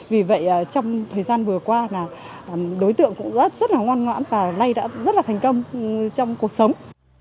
vì vậy trong thời gian vừa qua là đối tượng cũng rất là ngoan ngoãn và nay đã rất là thành công trong cuộc sống